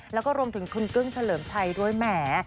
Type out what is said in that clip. แล้วก็รวมถึงคุณกึ้งเฉลิมชัยด้วยแหม